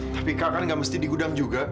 tapi kakak gak mesti di gudang juga